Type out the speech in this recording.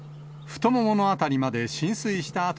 太ももの辺りまで浸水した跡